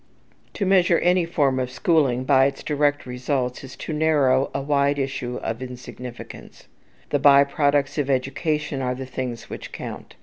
To measure any form of schooling by its direct results is to narrow a wide issue to insignificance. The by products of education are the things which count.